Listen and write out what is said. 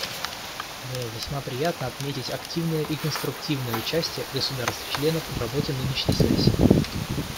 Мне весьма приятно отметить активное и конструктивное участие государств-членов в работе нынешней сессии.